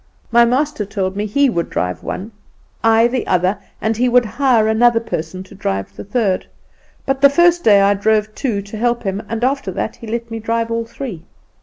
My master told me he would drive one, I the other, and he would hire another person to drive the third. But the first day I drove two to help him, and after that he let me drive all three.